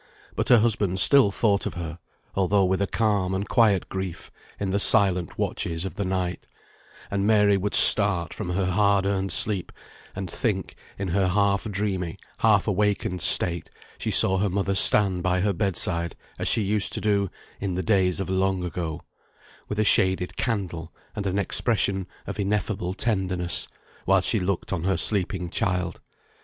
But her husband still thought of her, although with a calm and quiet grief, in the silent watches of the night: and Mary would start from her hard earned sleep, and think in her half dreamy, half awakened state, she saw her mother stand by her bed side, as she used to do "in the days of long ago;" with a shaded candle and an expression of ineffable tenderness, while she looked on her sleeping child.